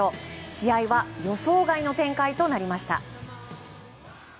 試合は予想外の展開となりました。